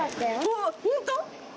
わっ、本当？